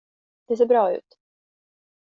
Det ser bra ut.